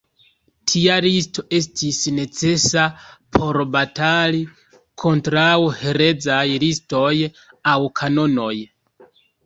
Tia listo estis necesa por batali kontraŭ herezaj listoj aŭ kanonoj.